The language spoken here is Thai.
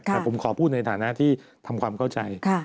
แต่ผมขอพูดในฐานะที่ทำความเข้าใจ